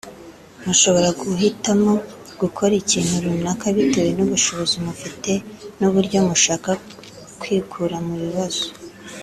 mushobora guhitamo gukora ikintu runaka bitewe n’ubushobozi mufite n’uburyo mushaka kwikura mu bibazo